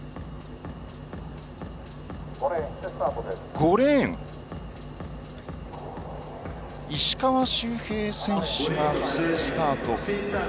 ５レーン石川周平選手が不正スタート。